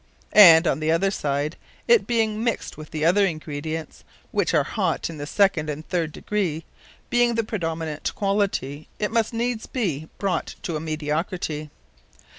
And, on the other side, it being mixt with the other Ingredients, which are hot in the second and third degree, being the predominant quality, it must needs be brought to a mediocrity.